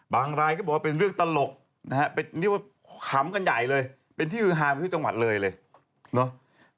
บางรายก็บอกว่าเป็นเรื่องตลกนะฮะคำกันใหญ่เลยเป็นที่หายมาที่จังหวัดเลยเลยเนาะ